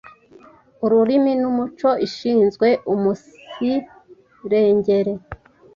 Ururimi n’Umuco ishinzwe umunsirengere